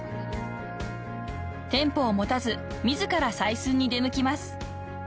［店舗を持たず自ら採寸に出向きます］